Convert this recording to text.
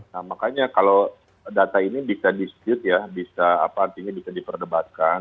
nah makanya kalau data ini bisa disyut ya bisa diperdebatkan